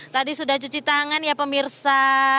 tadi sudah cuci tangan ya pemirsa